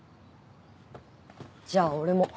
じゃあ俺も。